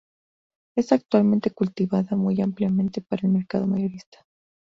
Es actualmente cultivada muy ampliamente para el mercado mayorista.